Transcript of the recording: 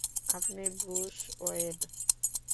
আপনি Bruce when.